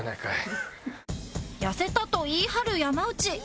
痩せたと言い張る山内